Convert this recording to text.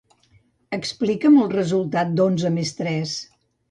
Explica'm el resultat d'onze més tres.